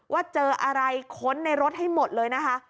ว่าเจออะไรค้นในรถให้หมดเลยนะคะ